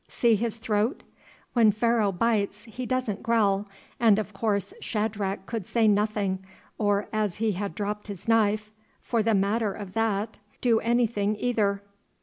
See his throat? When Pharaoh bites he doesn't growl, and, of course, Shadrach could say nothing, or, as he had dropped his knife, for the matter of that, do anything either.